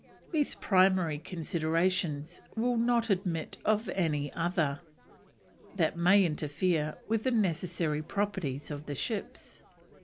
These primary considerations will not admit of any other, that may interfere with the necessary properties of the ships.